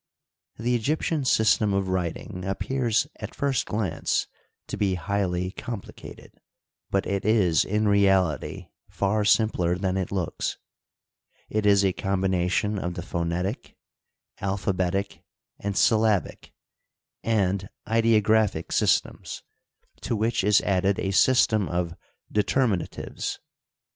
The Egyptian system of writing appears at first glance to be highly complicated, but it is in reality far simpler than it looks. It is a combination of the phonetic — alphabetic and syllabic — and ideographic systems, to Digitized byCjOOQlC 14 HISTORY OF EGYPT, which is added a system of determinatives.